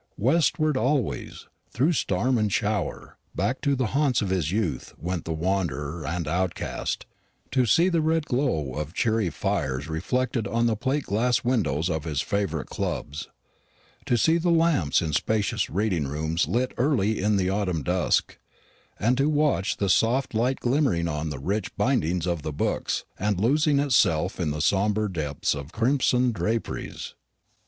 Westward always, through storm and shower, back to the haunts of his youth, went the wanderer and outcast, to see the red glow of cheery fires reflected on the plate glass windows of his favourite clubs; to see the lamps in spacious reading rooms lit early in the autumn dusk, and to watch the soft light glimmering on the rich bindings of the books, and losing itself in the sombre depths of crimson draperies.